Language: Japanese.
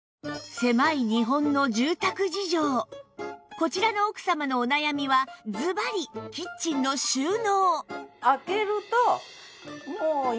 こちらの奥様のお悩みはずばりキッチンの収納